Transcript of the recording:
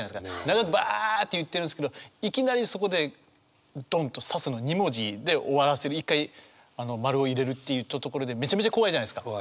長くばあって言ってるんですけどいきなりそこでどんと「刺す」の２文字で終わらせる一回丸を入れるっていうところでめちゃめちゃ怖いじゃないですか。